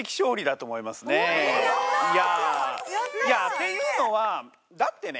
っていうのはだってね